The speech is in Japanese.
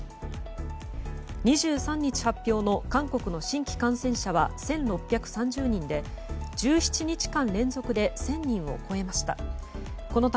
２３日発表の韓国の新規感染者は１６３０人で、１７日間連続で１０００人を超えました。